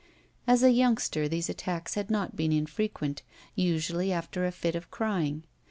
As a yoimgster these attacks had not been infre quent, usually after a fit of crying.